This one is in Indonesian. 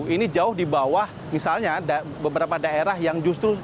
ini jauh di bawah misalnya beberapa daerah yang justru